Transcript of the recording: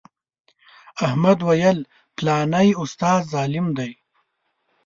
احمد ویل فلانی استاد ظالم دی.